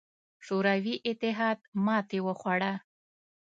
شوروي اتحاد ماتې وخوړه.